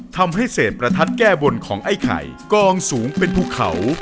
ทำให้เศษประทัดแก้บนของไอ้ไข่กองสูงเป็นภูเขา